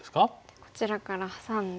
こちらからハサんで。